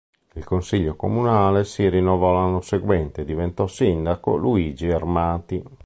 Il Consiglio comunale si rinnovò l'anno seguente, e diventò sindaco Luigi Armati.